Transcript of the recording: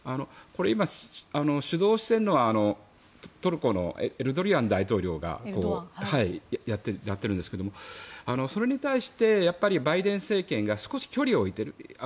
これ、今、主導しているのはトルコのエルドアン大統領がやっているんですがそれに対してバイデン政権が少し距離を置いている。